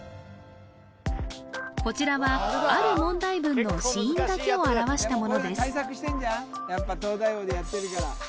こちらはある問題文の子音だけを表したものです